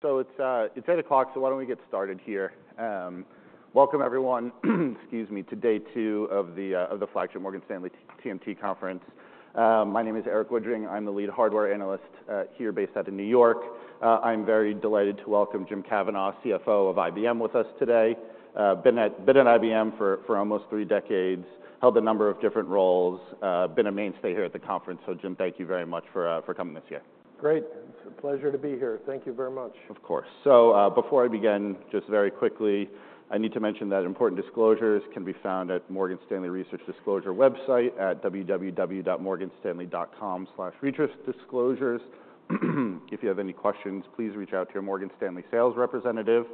So it's 8 o'clock, so why don't we get started here. Welcome everyone, excuse me, to Day 2 of the Flagship Morgan Stanley TMT Conference. My name is Erik Woodring. I'm the lead hardware analyst here based out of New York. I'm very delighted to welcome Jim Kavanaugh, CFO of IBM, with us today. Been at IBM for almost three decades, held a number of different roles, been a mainstay here at the conference. So Jim, thank you very much for coming this year. Great. It's a pleasure to be here. Thank you very much. Of course. So, before I begin, just very quickly, I need to mention that important disclosures can be found at Morgan Stanley Research Disclosure website at www.morganstanley.com/researchdisclosures. If you have any questions, please reach out to your Morgan Stanley sales representative.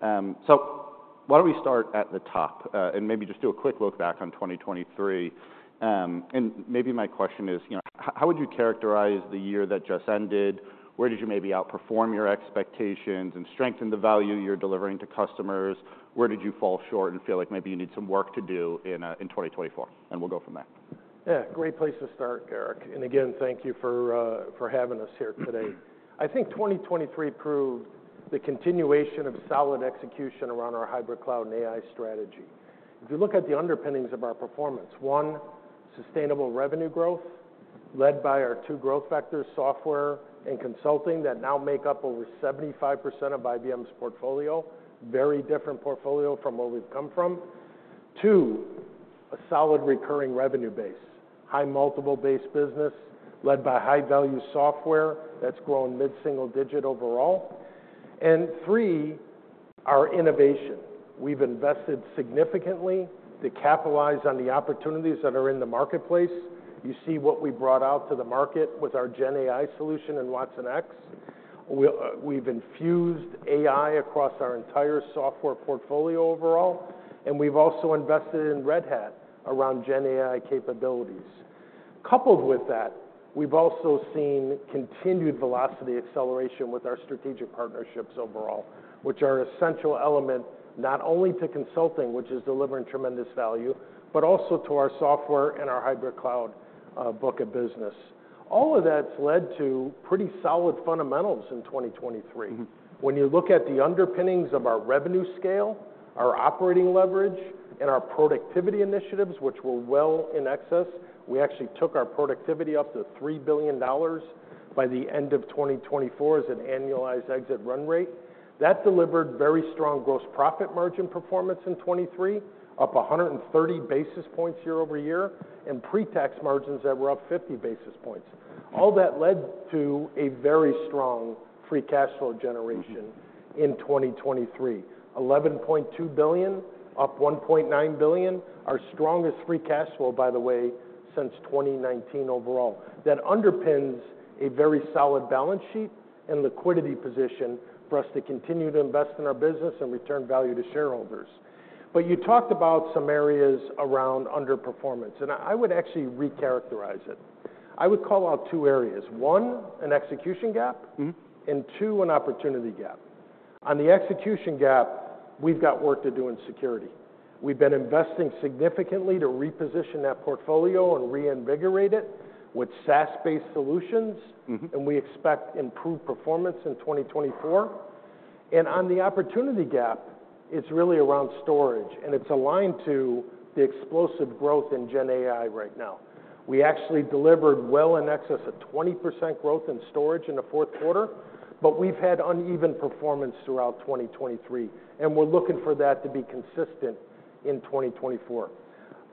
So why don't we start at the top, and maybe just do a quick look back on 2023. And maybe my question is, you know, how would you characterize the year that just ended? Where did you maybe outperform your expectations and strengthen the value you're delivering to customers? Where did you fall short and feel like maybe you need some work to do in 2024? And we'll go from there. Yeah. Great place to start, Erik. And again, thank you for, for having us here today. I think 2023 proved the continuation of solid execution around our hybrid cloud and AI strategy. If you look at the underpinnings of our performance, one, sustainable revenue growth led by our two growth factors, software and consulting, that now make up over 75% of IBM's portfolio, very different portfolio from where we've come from. Two, a solid recurring revenue base, high multiple-based business led by high-value software that's grown mid-single digit overall. And three, our innovation. We've invested significantly to capitalize on the opportunities that are in the marketplace. You see what we brought out to the market with our Gen AI solution in watsonx. Well, we've infused AI across our entire software portfolio overall. And we've also invested in Red Hat around Gen AI capabilities. Coupled with that, we've also seen continued velocity acceleration with our strategic partnerships overall, which are an essential element not only to consulting, which is delivering tremendous value, but also to our software and our hybrid cloud, book of business. All of that's led to pretty solid fundamentals in 2023. When you look at the underpinnings of our revenue scale, our operating leverage, and our productivity initiatives, which were well in excess, we actually took our productivity up to $3 billion by the end of 2024 as an annualized exit run rate. That delivered very strong gross profit margin performance in 2023, up 130 basis points year-over-year, and pre-tax margins that were up 50 basis points. All that led to a very strong free cash flow generation. In 2023, $11.2 billion, up $1.9 billion, our strongest free cash flow, by the way, since 2019 overall. That underpins a very solid balance sheet and liquidity position for us to continue to invest in our business and return value to shareholders. But you talked about some areas around underperformance, and I would actually recharacterize it. I would call out two areas, one, an execution gap. Two, an opportunity gap. On the execution gap, we've got work to do in security. We've been investing significantly to reposition that portfolio and reinvigorate it with SaaS-based solutions. We expect improved performance in 2024. On the opportunity gap, it's really around storage, and it's aligned to the explosive growth in Gen AI right now. We actually delivered well in excess of 20% growth in storage in the fourth quarter, but we've had uneven performance throughout 2023, and we're looking for that to be consistent in 2024.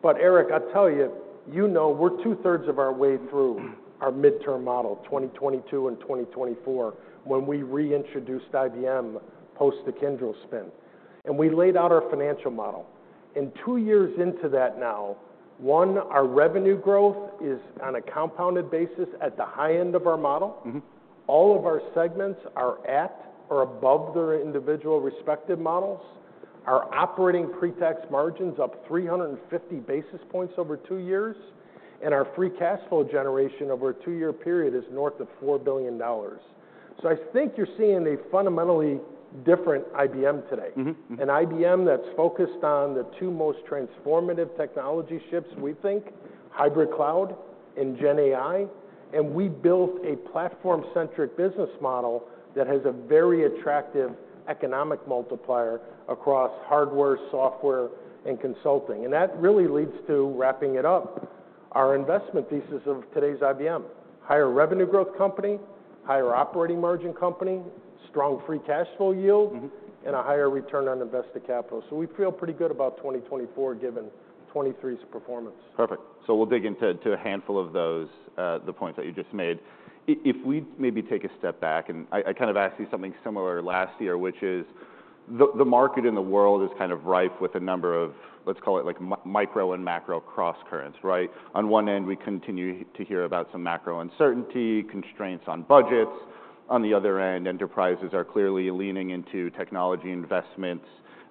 But Erik, I'll tell you, you know, we're two-thirds of our way through our midterm model, 2022 and 2024, when we reintroduced IBM post-Kyndryl spin. We laid out our financial model. Two years into that now, one, our revenue growth is on a compounded basis at the high end of our model. All of our segments are at or above their individual respective models. Our operating pre-tax margin's up 350 basis points over two years, and our free cash flow generation over a two-year period is north of $4 billion. So I think you're seeing a fundamentally different IBM today. An IBM that's focused on the two most transformative technology shifts, we think, hybrid cloud and Gen AI. We built a platform-centric business model that has a very attractive economic multiplier across hardware, software, and consulting. That really leads to wrapping it up, our investment thesis of today's IBM, higher revenue growth company, higher operating margin company, strong free cash flow yield. And a higher return on invested capital. So we feel pretty good about 2024 given 2023's performance. Perfect. So we'll dig into a handful of those points that you just made. If we maybe take a step back, and I kind of asked you something similar last year, which is the market in the world is kind of rife with a number of, let's call it, like, micro and macro cross-currents, right? On one end, we continue to hear about some macro uncertainty, constraints on budgets. On the other end, enterprises are clearly leaning into technology investments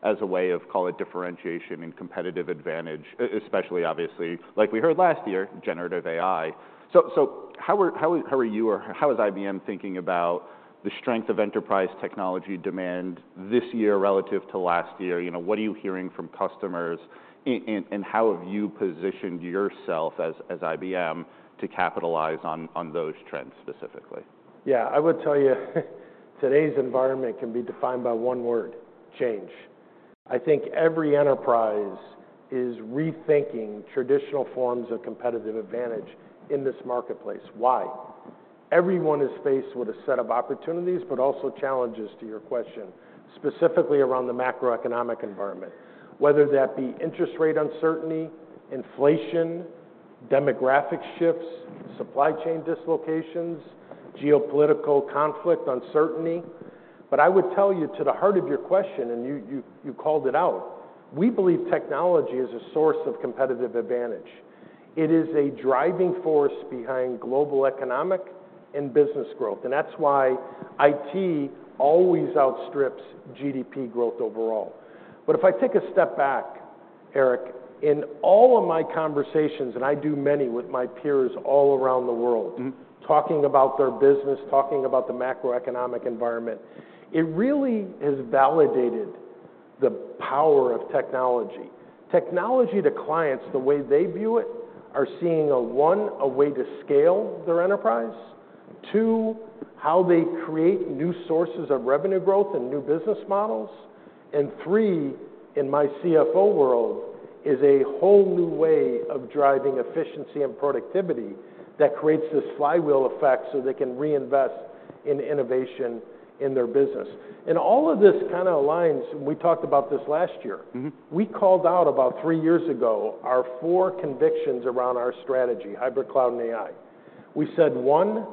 as a way of, call it, differentiation and competitive advantage, especially, obviously, like we heard last year, generative AI. So how are you or how is IBM thinking about the strength of enterprise technology demand this year relative to last year? You know, what are you hearing from customers, and how have you positioned yourself as IBM to capitalize on those trends specifically? Yeah. I would tell you today's environment can be defined by one word, change. I think every enterprise is rethinking traditional forms of competitive advantage in this marketplace. Why? Everyone is faced with a set of opportunities but also challenges, to your question, specifically around the macroeconomic environment, whether that be interest rate uncertainty, inflation, demographic shifts, supply chain dislocations, geopolitical conflict uncertainty. But I would tell you, to the heart of your question, and you, you, you called it out, we believe technology is a source of competitive advantage. It is a driving force behind global economic and business growth. And that's why IT always outstrips GDP growth overall. But if I take a step back, Erik, in all of my conversations, and I do many with my peers all around the world. Talking about their business, talking about the macroeconomic environment, it really has validated the power of technology. Technology to clients, the way they view it, are seeing, one, a way to scale their enterprise, two, how they create new sources of revenue growth and new business models, and three, in my CFO world, is a whole new way of driving efficiency and productivity that creates this flywheel effect so they can reinvest in innovation in their business. All of this kinda aligns, and we talked about this last year. We called out about three years ago our four convictions around our strategy, hybrid cloud and AI. We said, one,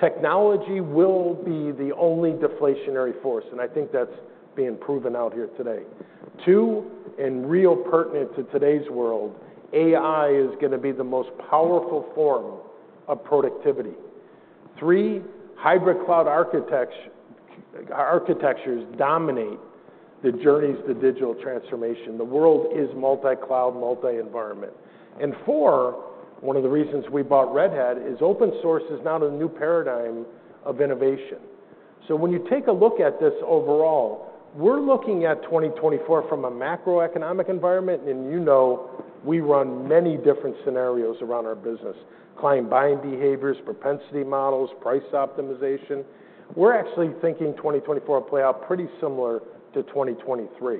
technology will be the only deflationary force, and I think that's being proven out here today. Two, and real pertinent to today's world, AI is gonna be the most powerful form of productivity. Three, hybrid cloud architecture architectures dominate the journeys to digital transformation. The world is multi-cloud, multi-environment. And four, one of the reasons we bought Red Hat is open source is now the new paradigm of innovation. So when you take a look at this overall, we're looking at 2024 from a macroeconomic environment, and you know we run many different scenarios around our business, client buying behaviors, propensity models, price optimization. We're actually thinking 2024 will play out pretty similar to 2023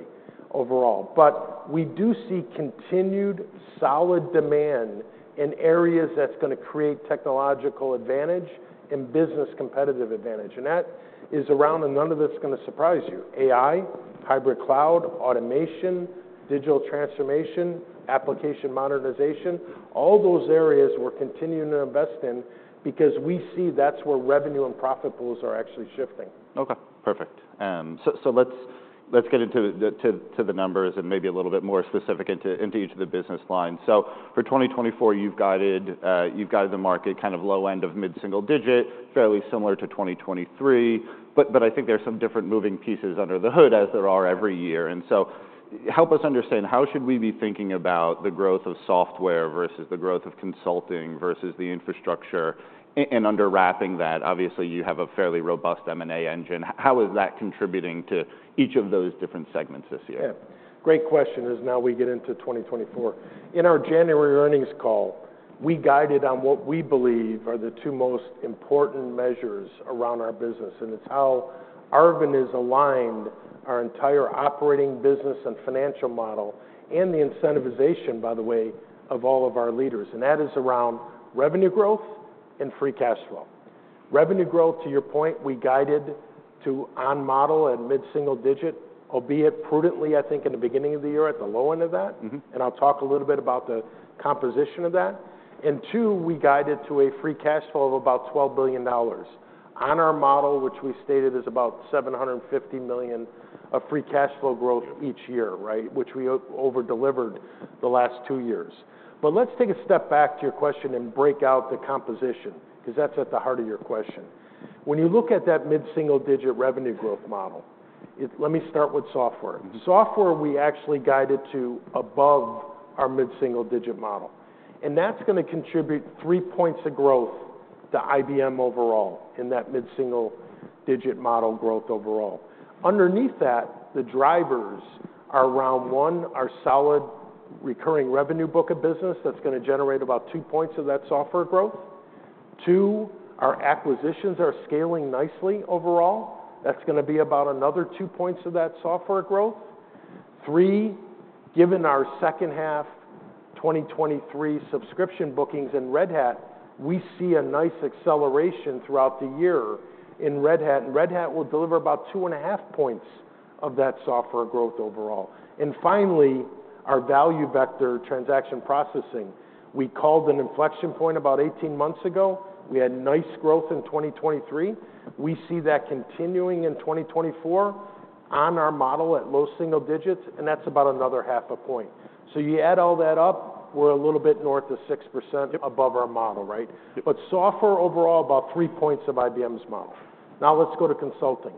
overall. But we do see continued solid demand in areas that's gonna create technological advantage and business competitive advantage. And that is around, and none of this is gonna surprise you, AI, hybrid cloud, automation, digital transformation, application modernization, all those areas we're continuing to invest in because we see that's where revenue and profit pools are actually shifting. Okay. Perfect. So let's get into the numbers and maybe a little bit more specific into each of the business lines. So for 2024, you've guided the market kind of low end of mid-single-digit, fairly similar to 2023. But I think there are some different moving pieces under the hood as there are every year. And so help us understand, how should we be thinking about the growth of software versus the growth of consulting versus the infrastructure? And underpinning that, obviously, you have a fairly robust M&A engine. How is that contributing to each of those different segments this year? Yeah. Great question as now we get into 2024. In our January earnings call, we guided on what we believe are the two most important measures around our business, and it's how Arvind has aligned our entire operating business and financial model and the incentivization, by the way, of all of our leaders. And that is around revenue growth and free cash flow. Revenue growth, to your point, we guided to on model at mid-single digit, albeit prudently, I think, in the beginning of the year at the low end of that. I'll talk a little bit about the composition of that. Two, we guided to a free cash flow of about $12 billion on our model, which we stated is about $750 million of free cash flow growth. Yeah. Each year, right, which we overdelivered the last two years. But let's take a step back to your question and break out the composition 'cause that's at the heart of your question. When you look at that mid-single digit revenue growth model, it let me start with software. Software, we actually guided to above our mid-single-digit model. And that's gonna contribute three points of growth to IBM overall in that mid-single-digit model growth overall. Underneath that, the drivers are around, one, our solid recurring revenue book of business that's gonna generate about two points of that software growth. Two, our acquisitions are scaling nicely overall. That's gonna be about another two points of that software growth. Three, given our second half 2023 subscription bookings in Red Hat, we see a nice acceleration throughout the year in Red Hat. And Red Hat will deliver about 2.5 points of that software growth overall. And finally, our value vector transaction processing, we called an inflection point about 18 months ago. We had nice growth in 2023. We see that continuing in 2024 on our model at low single digits, and that's about another 0.5 point. So you add all that up, we're a little bit north of 6%. Yep. Above our model, right? Yep. But software overall, about three points of IBM's model. Now let's go to consulting.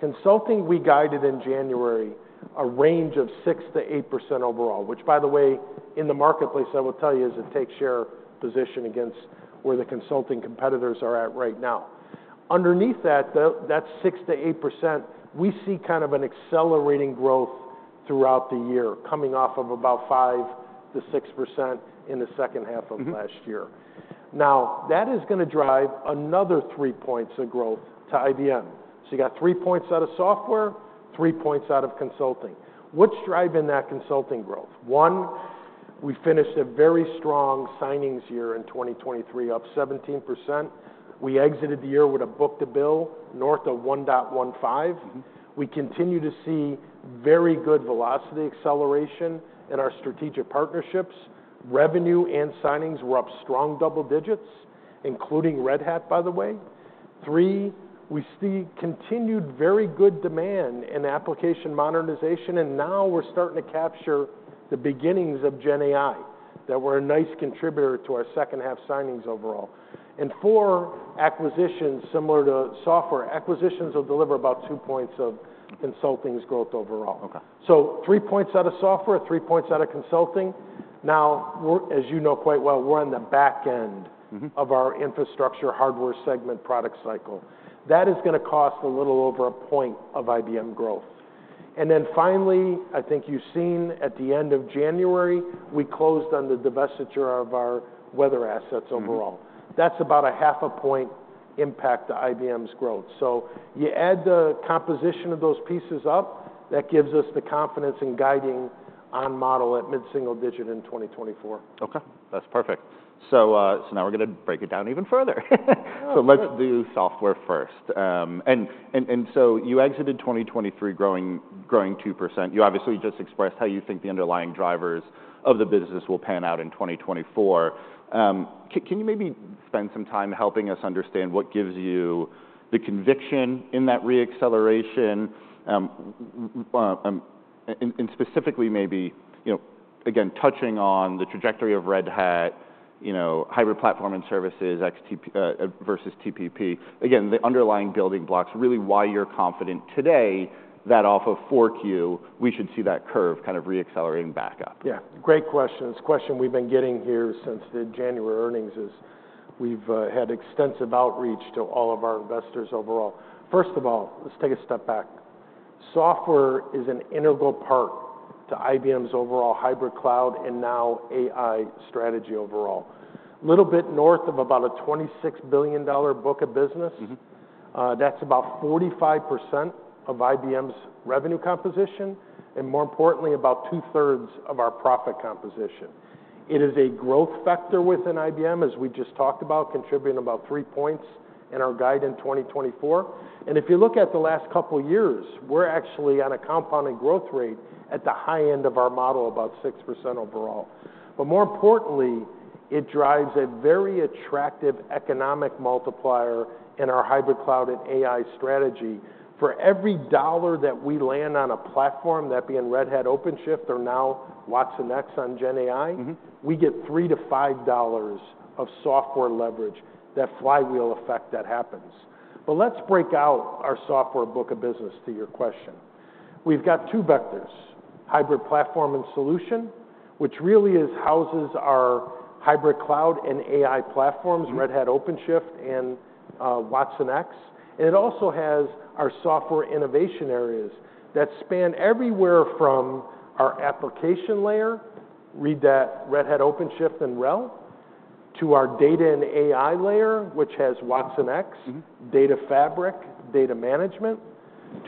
Consulting, we guided in January a range of 6%-8% overall, which, by the way, in the marketplace, I will tell you, is a take-share position against where the consulting competitors are at right now. Underneath that, that's 6%-8%, we see kind of an accelerating growth throughout the year coming off of about 5%-6% in the second half of last year. Now that is gonna drive another three points of growth to IBM. So you got three points out of software, three points out of consulting. What's driving that consulting growth? One, we finished a very strong signings year in 2023, up 17%. We exited the year with a book-to-bill north of 1.15. We continue to see very good velocity acceleration in our strategic partnerships. Revenue and signings were up strong double digits, including Red Hat, by the way. Three, we see continued very good demand in application modernization, and now we're starting to capture the beginnings of Gen AI that were a nice contributor to our second half signings overall. And four, acquisitions similar to software, acquisitions will deliver about two points of consulting's growth overall. Okay. So three points out of software, three points out of consulting. Now we're, as you know quite well, we're on the back end. Of our infrastructure hardware segment product cycle. That is gonna cost a little over a point of IBM growth. And then finally, I think you've seen at the end of January, we closed on the divestiture of our weather assets overall. That's about a half a point impact to IBM's growth. So you add the composition of those pieces up, that gives us the confidence in guiding on model at mid-single digit in 2024. Okay. That's perfect. So now we're gonna break it down even further. Oh. So let's do software first. You exited 2023 growing 2%. You obviously just expressed how you think the underlying drivers of the business will pan out in 2024. Can you maybe spend some time helping us understand what gives you the conviction in that reacceleration? Well, and specifically maybe, you know, again, touching on the trajectory of Red Hat, you know, hybrid platform and services, HP versus TPP, again, the underlying building blocks, really why you're confident today that off of 4Q, we should see that curve kind of reaccelerating back up. Yeah. Great question. It's a question we've been getting here since the January earnings. We've had extensive outreach to all of our investors overall. First of all, let's take a step back. Software is an integral part to IBM's overall hybrid cloud and now AI strategy overall. A little bit north of about a $26 billion book of business. That's about 45% of IBM's revenue composition and, more importantly, about two-thirds of our profit composition. It is a growth factor within IBM, as we just talked about, contributing about three points in our guide in 2024. And if you look at the last couple of years, we're actually on a compounding growth rate at the high end of our model, about 6% overall. But more importantly, it drives a very attractive economic multiplier in our hybrid cloud and AI strategy. For every $1 that we land on a platform, that be in Red Hat OpenShift or now watsonx on Gen AI. We get $3-$5 of software leverage, that flywheel effect that happens. But let's break out our software book of business to your question. We've got two vectors, hybrid platform and solution, which really is houses our hybrid cloud and AI platforms, Red Hat OpenShift and watsonx. And it also has our software innovation areas that span everywhere from our application layer, read that, Red Hat OpenShift and RHEL, to our data and AI layer, which has watsonx. Data fabric, data management,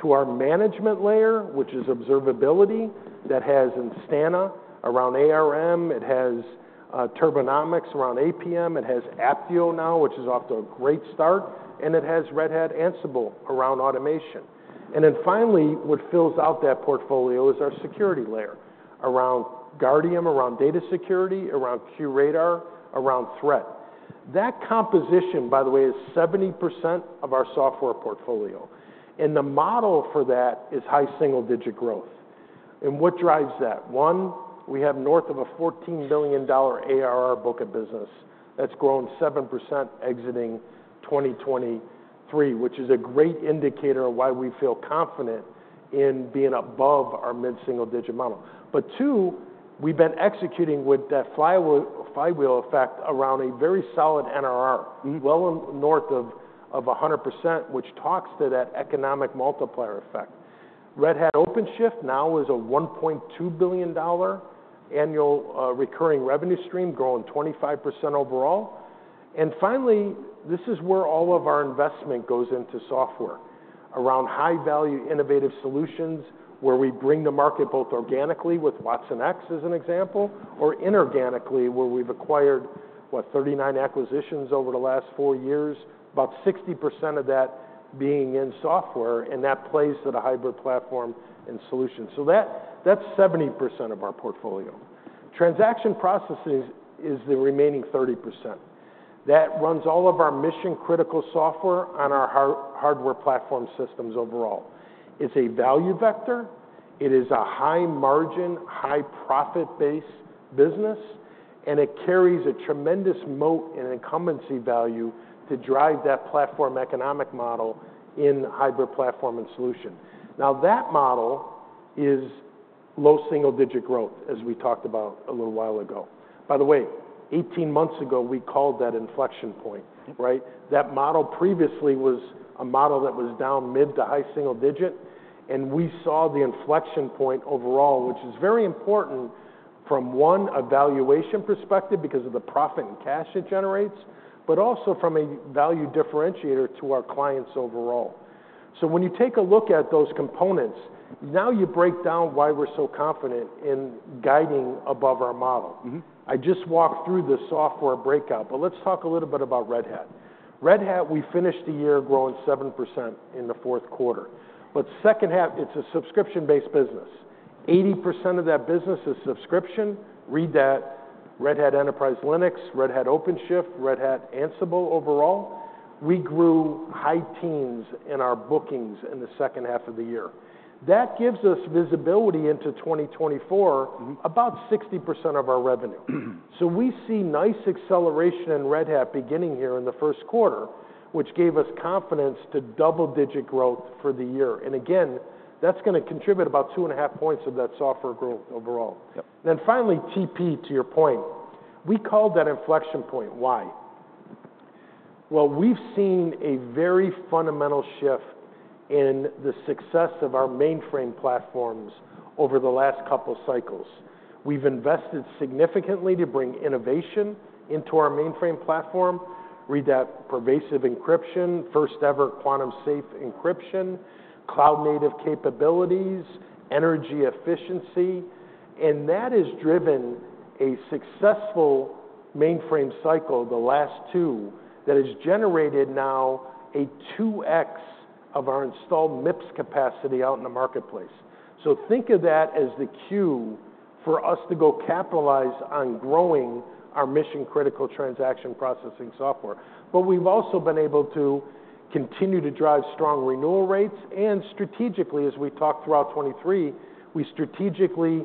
to our management layer, which is observability that has Instana around ARM. It has Turbonomic around APM. It has Apptio now, which is off to a great start. And it has Red Hat Ansible around automation. And then finally, what fills out that portfolio is our security layer around Guardium, around data security, around QRadar, around Threat. That composition, by the way, is 70% of our software portfolio. And the model for that is high single digit growth. And what drives that? One, we have north of a $14 billion ARR book of business that's grown 7% exiting 2023, which is a great indicator of why we feel confident in being above our mid-single digit model. But two, we've been executing with that flywheel, flywheel effect around a very solid NRR. Well north of 100%, which talks to that economic multiplier effect. Red Hat OpenShift now is a $1.2 billion annual recurring revenue stream, growing 25% overall. And finally, this is where all of our investment goes into software around high-value innovative solutions where we bring the market both organically with watsonx as an example or inorganically where we've acquired, what, 39 acquisitions over the last four years, about 60% of that being in software, and that plays to the hybrid platform and solution. So that, that's 70% of our portfolio. Transaction processing is the remaining 30%. That runs all of our mission-critical software on our hardware platform systems overall. It's a value vector. It is a high-margin, high-profit-based business, and it carries a tremendous moat in incumbency value to drive that platform economic model in hybrid platform and solution. Now that model is low single-digit growth, as we talked about a little while ago. By the way, 18 months ago, we called that inflection point, right? Yep. That model previously was a model that was down mid- to high-single-digit, and we saw the inflection point overall, which is very important from one evaluation perspective because of the profit and cash it generates, but also from a value differentiator to our clients overall. So when you take a look at those components, now you break down why we're so confident in guiding above our model. I just walked through the software breakout, but let's talk a little bit about Red Hat. Red Hat, we finished the year growing 7% in the fourth quarter. But second half, it's a subscription-based business. 80% of that business is subscription, that is, Red Hat Enterprise Linux, Red Hat OpenShift, Red Hat Ansible overall. We grew high teens in our bookings in the second half of the year. That gives us visibility into 2024. About 60% of our revenue. We see nice acceleration in Red Hat beginning here in the first quarter, which gave us confidence to double-digit growth for the year. Again, that's gonna contribute about 2.5 points of that software growth overall. Yep. And then finally, TP, to your point. We called that inflection point. Why? Well, we've seen a very fundamental shift in the success of our mainframe platforms over the last couple of cycles. We've invested significantly to bring innovation into our mainframe platform, read that, pervasive encryption, first-ever quantum-safe encryption, cloud-native capabilities, energy efficiency. And that has driven a successful mainframe cycle, the last two, that has generated now a 2x of our installed MIPS capacity out in the marketplace. So think of that as the cue for us to go capitalize on growing our mission-critical transaction processing software. But we've also been able to continue to drive strong renewal rates. And strategically, as we talked throughout 2023, we strategically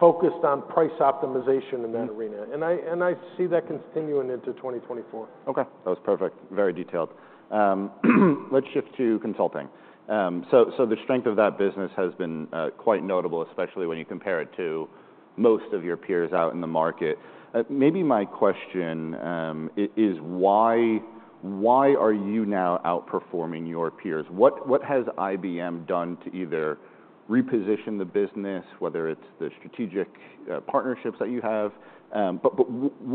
focused on price optimization in that arena. I see that continuing into 2024. Okay. That was perfect. Very detailed. Let's shift to consulting. So the strength of that business has been quite notable, especially when you compare it to most of your peers out in the market. Maybe my question is why are you now outperforming your peers? What has IBM done to either reposition the business, whether it's the strategic partnerships that you have? But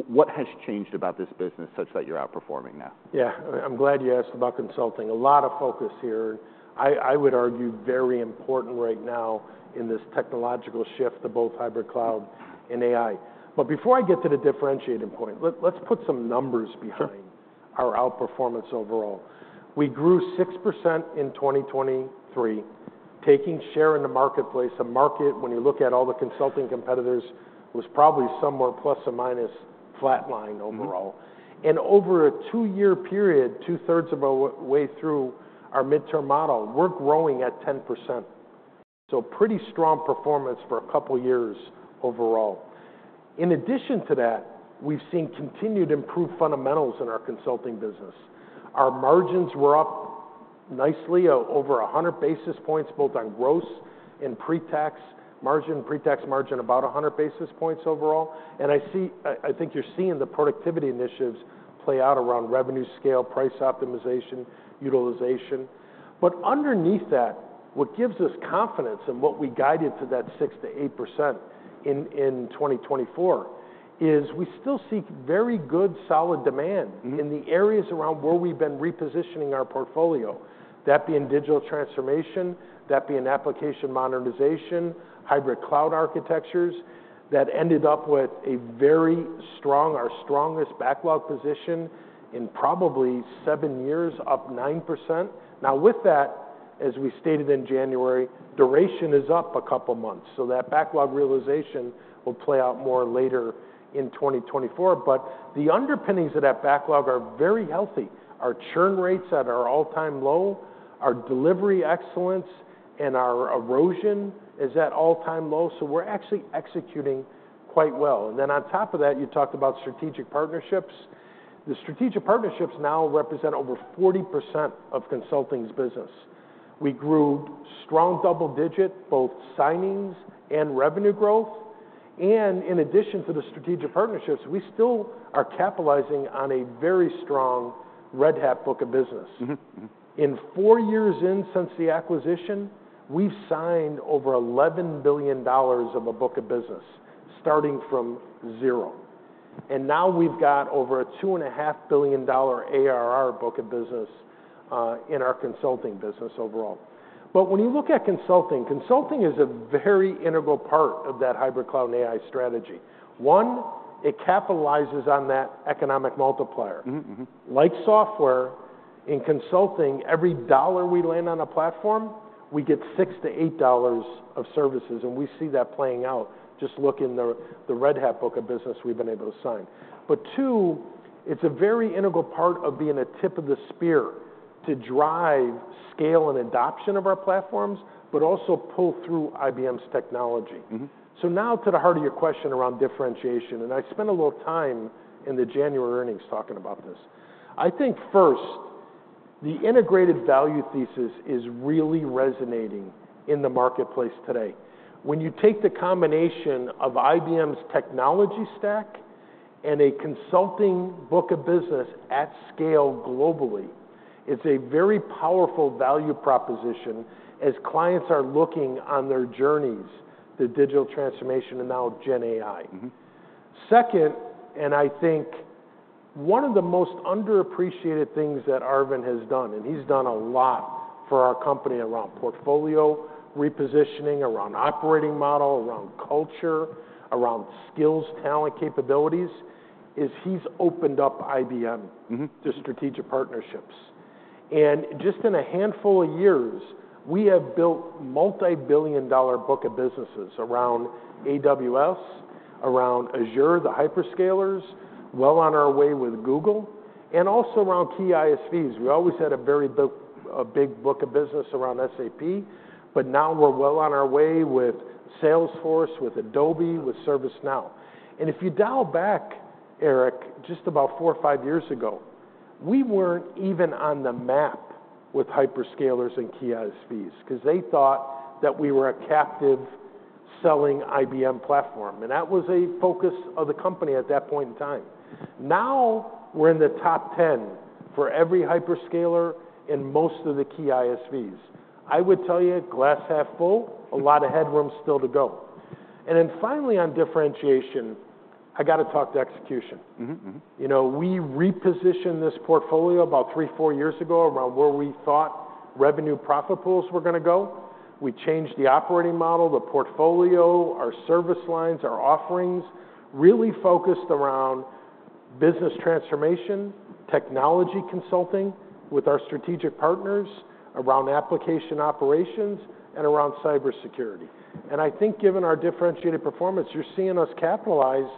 what has changed about this business such that you're outperforming now? Yeah. I'm glad you asked about consulting. A lot of focus here. I would argue very important right now in this technological shift to both hybrid cloud and AI. But before I get to the differentiating point, let's put some numbers behind. Sure. Our outperformance overall. We grew 6% in 2023, taking share in the marketplace. A market, when you look at all the consulting competitors, was probably somewhere plus or minus flatlined overall. Over a two year period, 2/3 of our way through our mid-term model, we're growing at 10%. So pretty strong performance for a couple of years overall. In addition to that, we've seen continued improved fundamentals in our consulting business. Our margins were up nicely, over 100 basis points, both on gross and pretax margin, pretax margin about 100 basis points overall. And I see, I think you're seeing the productivity initiatives play out around revenue scale, price optimization, utilization. But underneath that, what gives us confidence in what we guided to that 6%-8% in 2024 is we still see very good solid demand. In the areas around where we've been repositioning our portfolio. That be in digital transformation, that be in application modernization, hybrid cloud architectures that ended up with a very strong, our strongest backlog position in probably seven years, up 9%. Now with that, as we stated in January, duration is up a couple of months. So that backlog realization will play out more later in 2024. But the underpinnings of that backlog are very healthy. Our churn rates at our all-time low, our delivery excellence, and our erosion is at all-time low. So we're actually executing quite well. And then on top of that, you talked about strategic partnerships. The strategic partnerships now represent over 40% of consulting's business. We grew strong double-digit, both signings and revenue growth. And in addition to the strategic partnerships, we still are capitalizing on a very strong Red Hat book of business. In four years since the acquisition, we've signed over $11 billion of a book of business starting from zero. Now we've got over a $2.5 billion ARR book of business in our consulting business overall. When you look at consulting, consulting is a very integral part of that hybrid cloud and AI strategy. One, it capitalizes on that economic multiplier. Like software, in consulting, every dollar we land on a platform, we get $6-$8 of services. And we see that playing out, just look in the Red Hat book of business we've been able to sign. But two, it's a very integral part of being at the tip of the spear to drive scale and adoption of our platforms, but also pull through IBM's technology. Now to the heart of your question around differentiation, and I spent a little time in the January earnings talking about this. I think first, the integrated value thesis is really resonating in the marketplace today. When you take the combination of IBM's technology stack and a consulting book of business at scale globally, it's a very powerful value proposition as clients are looking on their journeys, the digital transformation and now Gen AI. Second, and I think one of the most underappreciated things that Arvind has done, and he's done a lot for our company around portfolio repositioning, around operating model, around culture, around skills, talent, capabilities, is, he's opened up IBM. To strategic partnerships. And just in a handful of years, we have built multi-billion-dollar book of businesses around AWS, around Azure, the hyperscalers, well on our way with Google, and also around key ISVs. We always had a big book of business around SAP, but now we're well on our way with Salesforce, with Adobe, with ServiceNow. And if you dial back, Erik, just about four or five years ago, we weren't even on the map with hyperscalers and key ISVs 'cause they thought that we were a captive-selling IBM platform. And that was a focus of the company at that point in time. Now we're in the top 10 for every hyperscaler in most of the key ISVs. I would tell you, glass half full, a lot of headroom still to go. And then finally, on differentiation, I gotta talk to execution. You know, we repositioned this portfolio about three to four years ago around where we thought revenue profit pools were gonna go. We changed the operating model, the portfolio, our service lines, our offerings, really focused around business transformation, technology consulting with our strategic partners, around application operations, and around cybersecurity. And I think given our differentiated performance, you're seeing us capitalize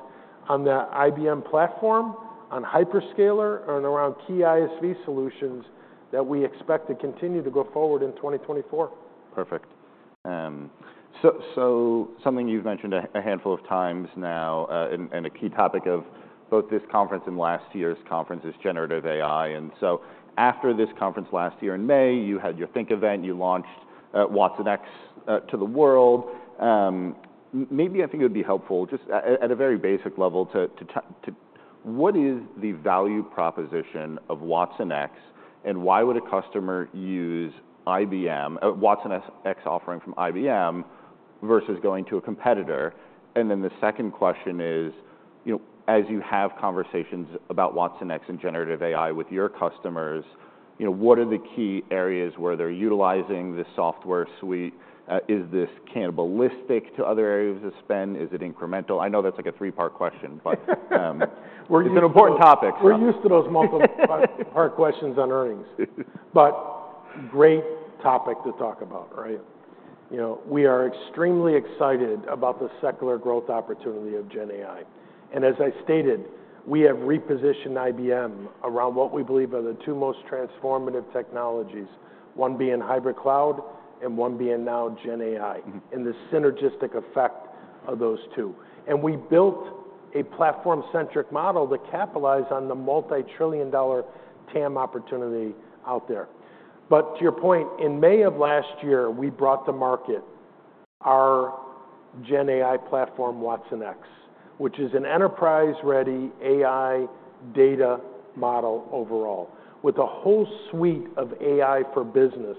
on the IBM platform, on hyperscaler, and around key ISV solutions that we expect to continue to go forward in 2024. Perfect. So something you've mentioned a handful of times now, and a key topic of both this conference and last year's conference is generative AI. So after this conference last year in May, you had your Think event, you launched watsonx to the world. Maybe I think it would be helpful just at a very basic level to what is the value proposition of watsonx, and why would a customer use IBM watsonx offering from IBM versus going to a competitor? Then the second question is, you know, as you have conversations about watsonx and generative AI with your customers, you know, what are the key areas where they're utilizing this software suite? Is this cannibalistic to other areas of spend? Is it incremental? I know that's like a three-part question, but it's an important topic. We're used to those multipart questions on earnings, but great topic to talk about, right? You know, we are extremely excited about the secular growth opportunity of Gen AI. As I stated, we have repositioned IBM around what we believe are the two most transformative technologies, one being Hybrid Cloud and one being now Gen AI. In the synergistic effect of those two. We built a platform-centric model to capitalize on the multi-trillion-dollar TAM opportunity out there. To your point, in May of last year, we brought to market our Gen AI platform, watsonx, which is an enterprise-ready AI data model overall with a whole suite of AI for business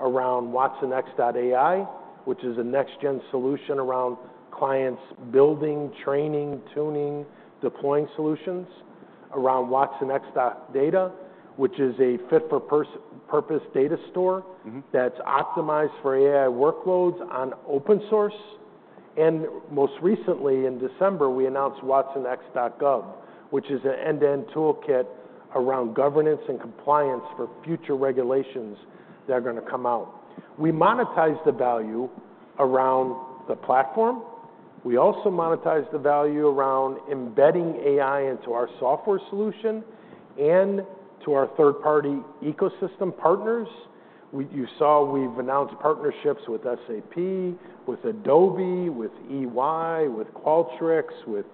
around watsonx.ai, which is a next-gen solution around clients building, training, tuning, deploying solutions, around watsonx.data, which is a fit-for-purpose data store. That's optimized for AI workloads on open source. And most recently, in December, we announced watsonx.governance, which is an end-to-end toolkit around governance and compliance for future regulations that are gonna come out. We monetized the value around the platform. We also monetized the value around embedding AI into our software solution and to our third-party ecosystem partners. You saw we've announced partnerships with SAP, with Adobe, with EY, with Qualtrics, with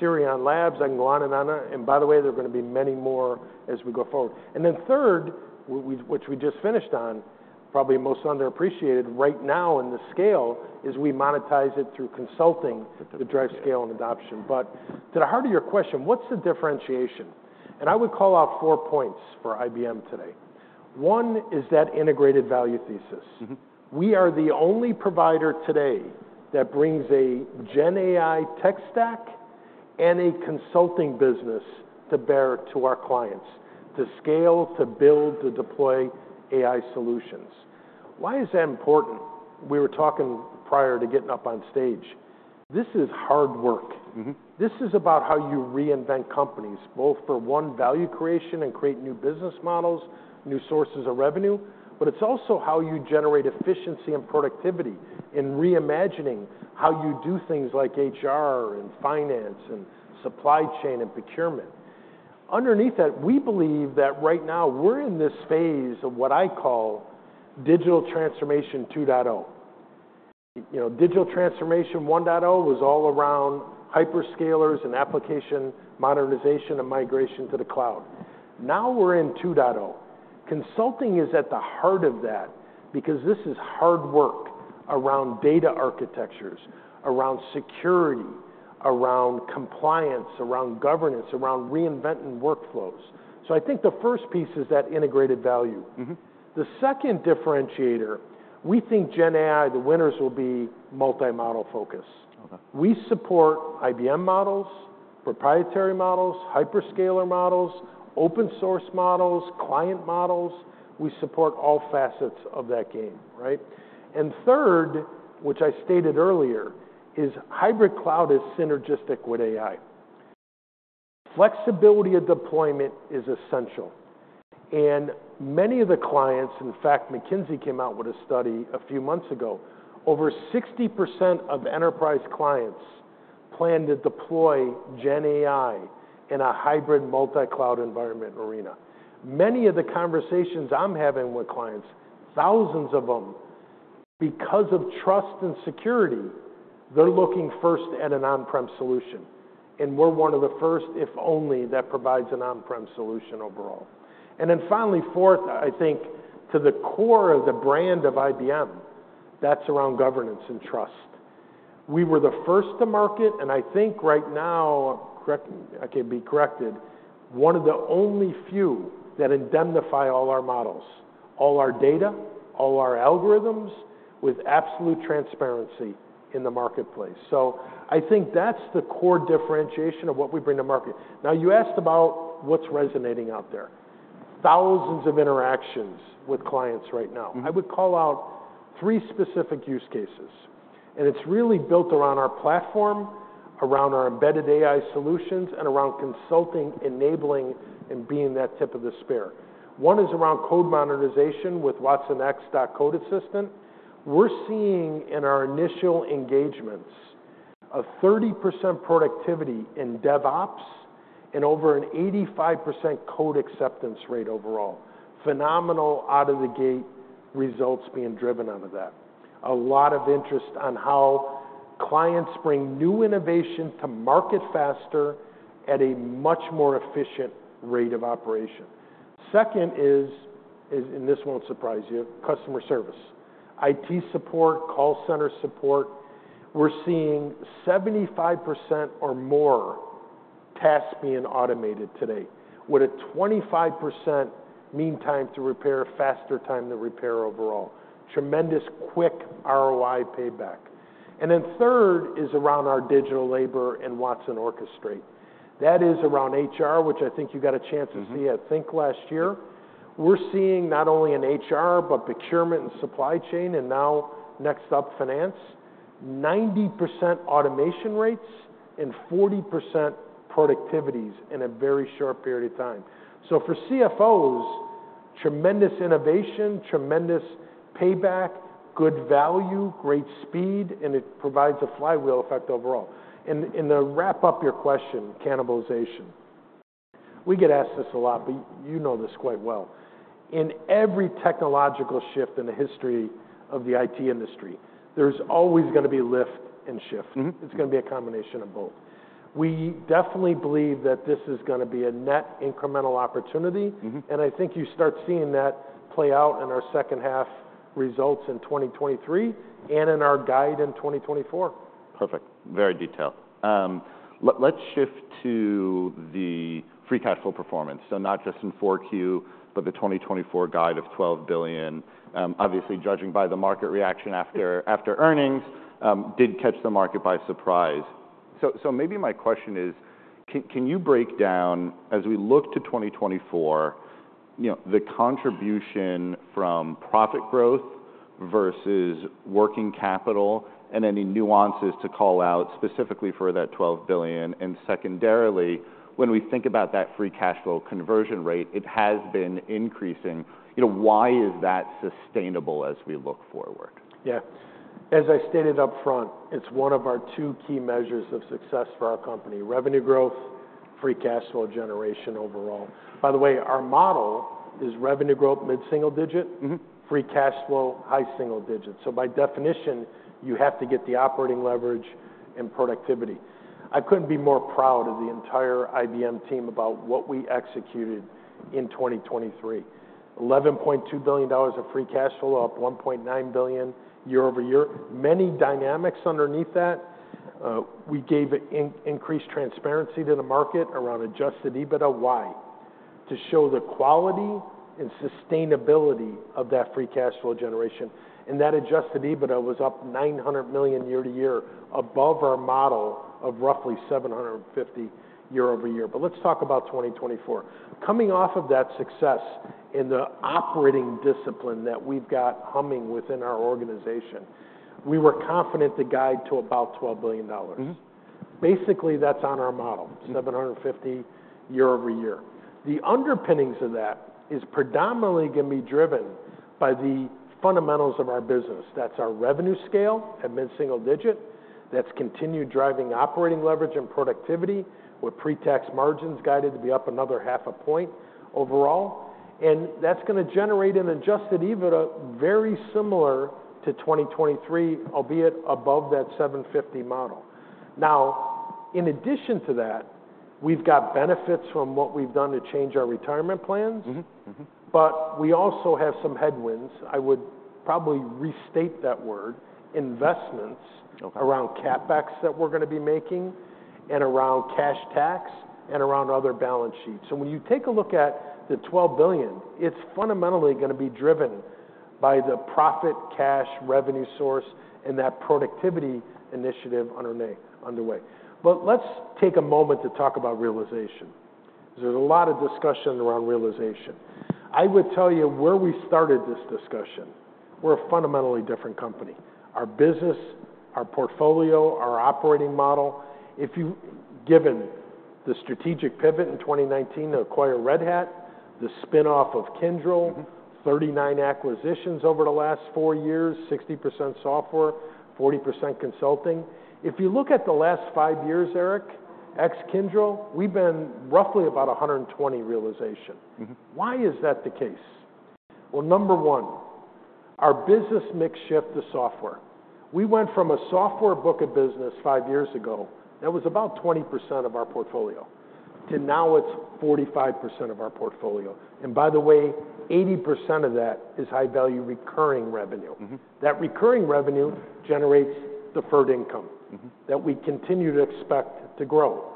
Sirion. I can go on and on. And by the way, there are gonna be many more as we go forward. And then third, we which we just finished on, probably most underappreciated right now in the scale, is we monetize it through consulting. To do. To drive scale and adoption. But to the heart of your question, what's the differentiation? And I would call out four points for IBM today. One is that integrated value thesis. We are the only provider today that brings a Gen AI tech stack and a consulting business to bear to our clients to scale, to build, to deploy AI solutions. Why is that important? We were talking prior to getting up on stage. This is hard work. This is about how you reinvent companies, both for one, value creation and create new business models, new sources of revenue. But it's also how you generate efficiency and productivity in reimagining how you do things like HR and finance and supply chain and procurement. Underneath that, we believe that right now we're in this phase of what I call Digital Transformation 2.0. You know, Digital Transformation 1.0 was all around hyperscalers and application modernization and migration to the cloud. Now we're in 2.0. Consulting is at the heart of that because this is hard work around data architectures, around security, around compliance, around governance, around reinventing workflows. So I think the first piece is that integrated value. The second differentiator, we think Gen AI, the winners will be multi-model focus. Okay. We support IBM models, proprietary models, hyperscaler models, open-source models, client models. We support all facets of that game, right? And third, which I stated earlier, is hybrid cloud is synergistic with AI. Flexibility of deployment is essential. And many of the clients, in fact, McKinsey came out with a study a few months ago. Over 60% of enterprise clients plan to deploy Gen AI in a hybrid multi-cloud environment arena. Many of the conversations I'm having with clients, thousands of them, because of trust and security, they're looking first at an on-prem solution. And we're one of the first, if only, that provides an on-prem solution overall. And then finally, fourth, I think to the core of the brand of IBM, that's around governance and trust. We were the first to market, and I think right now, correct, I can be corrected, one of the only few that indemnify all our models, all our data, all our algorithms with absolute transparency in the marketplace. So I think that's the core differentiation of what we bring to market. Now you asked about what's resonating out there, thousands of interactions with clients right now. I would call out three specific use cases. And it's really built around our platform, around our embedded AI solutions, and around consulting, enabling, and being that tip of the spear. One is around code modernization with watsonx Code Assistant. We're seeing in our initial engagements a 30% productivity in DevOps and over an 85% code acceptance rate overall. Phenomenal out-of-the-gate results being driven out of that. A lot of interest on how clients bring new innovation to market faster at a much more efficient rate of operation. Second is, is and this won't surprise you, customer service, IT support, call center support. We're seeing 75% or more tasks being automated today with a 25% mean time to repair, faster time to repair overall, tremendous quick ROI payback. And then third is around our digital labor and watsonx Orchestrate. That is around HR, which I think you got a chance to see at Think last year. We're seeing not only in HR but procurement and supply chain and now next up finance, 90% automation rates and 40% productivities in a very short period of time. So for CFOs, tremendous innovation, tremendous payback, good value, great speed, and it provides a flywheel effect overall. And to wrap up your question, cannibalization, we get asked this a lot, but you know this quite well. In every technological shift in the history of the IT industry, there's always gonna be lift and shift. It's gonna be a combination of both. We definitely believe that this is gonna be a net incremental opportunity. I think you start seeing that play out in our second half results in 2023 and in our guide in 2024. Perfect. Very detailed. Let's shift to the free cash flow performance. So not just in 4Q, but the 2024 guide of $12 billion. Obviously, judging by the market reaction after earnings, did catch the market by surprise. So maybe my question is, can you break down, as we look to 2024, you know, the contribution from profit growth versus working capital and any nuances to call out specifically for that $12 billion? And secondarily, when we think about that free cash flow conversion rate, it has been increasing. You know, why is that sustainable as we look forward? Yeah. As I stated upfront, it's one of our two key measures of success for our company: revenue growth, Free Cash Flow generation overall. By the way, our model is revenue growth mid-single digit. Free cash flow high-single-digit. So by definition, you have to get the operating leverage and productivity. I couldn't be more proud of the entire IBM team about what we executed in 2023: $11.2 billion of free cash flow, up $1.9 billion year-over-year. Many dynamics underneath that. We gave increased transparency to the market around Adjusted EBITDA. Why? To show the quality and sustainability of that free cash flow generation. And that Adjusted EBITDA was up $900 million year-over-year, above our model of roughly $750 million year-over-year. But let's talk about 2024. Coming off of that success in the operating discipline that we've got humming within our organization, we were confident to guide to about $12 billion. Basically, that's on our model, $750 year-over-year. The underpinnings of that is predominantly gonna be driven by the fundamentals of or business. That's our revenue scale at mid-single-digit. That's continued driving operating leverage and productivity with pre-tax margins guided to be up another half a point overall. And that's gonna generate an Adjusted EBITDA very similar to 2023, albeit above that $750 model. Now, in addition to that, we've got benefits from what we've done to change our retirement plans. But we also have some headwinds. I would probably restate that word: investments. Okay. Around capbacks that we're gonna be making and around cash tax and around other balance sheets. So when you take a look at the $12 billion, it's fundamentally gonna be driven by the profit, cash, revenue source, and that productivity initiative underway. But let's take a moment to talk about realization 'cause there's a lot of discussion around realization. I would tell you where we started this discussion, we're a fundamentally different company. Our business, our portfolio, our operating model, given the strategic pivot in 2019 to acquire Red Hat, the spinoff of Kyndryl. 39 acquisitions over the last four years, 60% software, 40% consulting. If you look at the last five years, Erik, ex-Kyndryl, we've been roughly about 120 realization. Why is that the case? Well, number one, our business mix shift to software. We went from a software book of business five years ago that was about 20% of our portfolio to now it's 45% of our portfolio. And by the way, 80% of that is high-value recurring revenue. That recurring revenue generates deferred income. That we continue to expect to grow.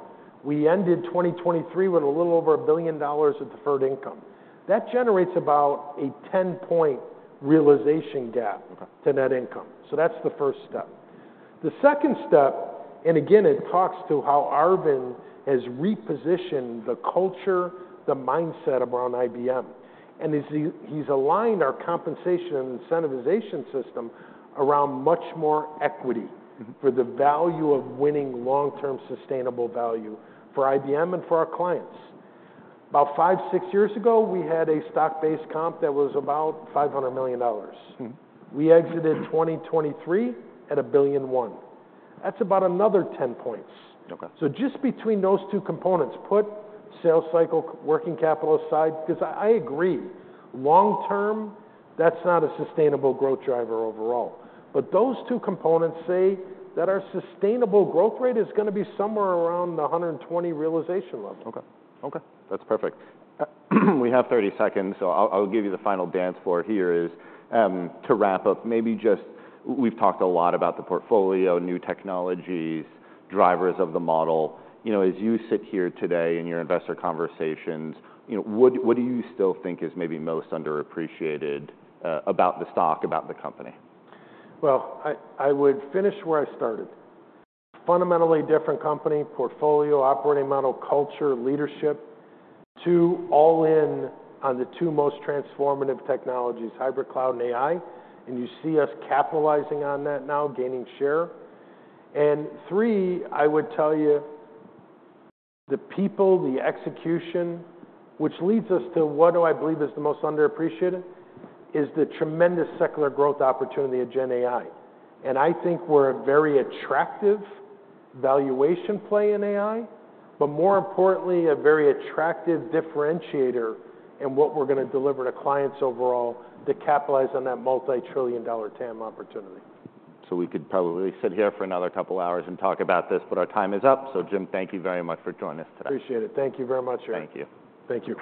We ended 2023 with a little over $1 billion of deferred income. That generates about a 10-point realization gap. Okay. To net income. So that's the first step. The second step, and again, it talks to how Arvind has repositioned the culture, the mindset around IBM. And he's aligned our compensation and incentivization system around much more equity. For the value of winning long-term sustainable value for IBM and for our clients. About five, six years ago, we had a stock-based comp that was about $500 million. We exited 2023 at $1.01 billion. That's about another 10 points. Okay. So just between those two components, put sales cycle working capital aside 'cause I, I agree, long-term, that's not a sustainable growth driver overall. But those two components say that our sustainable growth rate is gonna be somewhere around the 120 realization level. Okay. Okay. That's perfect. We have 30-seconds. So I'll, I'll give you the final dance floor here is, to wrap up, maybe just we've talked a lot about the portfolio, new technologies, drivers of the model. You know, as you sit here today in your investor conversations, you know, what, what do you still think is maybe most underappreciated, about the stock, about the company? Well, I, I would finish where I started. Fundamentally different company, portfolio, operating model, culture, leadership. Two, all in on the two most transformative technologies, hybrid cloud and AI. And you see us capitalizing on that now, gaining share. And three, I would tell you, the people, the execution, which leads us to what do I believe is the most underappreciated is the tremendous secular growth opportunity of Gen AI. And I think we're a very attractive valuation play in AI, but more importantly, a very attractive differentiator in what we're gonna deliver to clients overall to capitalize on that multi-trillion-dollar TAM opportunity. So we could probably sit here for another couple hours and talk about this, but our time is up. So Jim, thank you very much for joining us today. Appreciate it. Thank you very much, Erik. Thank you. Thank you.